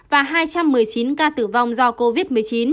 và hai trăm một mươi chín ca tử vong do covid một mươi chín